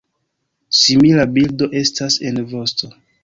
Simila bildo estas en vosto.